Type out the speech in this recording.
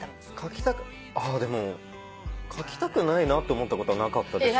あっでも描きたくないなって思ったことはなかったですね。